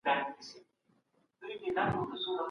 دغه دوره د ځواکمنو شوالیو او جنګیالیو وخت و.